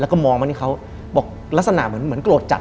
แล้วก็มองมานี่เขาบอกลักษณะเหมือนโกรธจัด